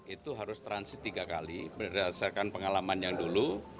itu harus transit tiga kali berdasarkan pengalaman yang dulu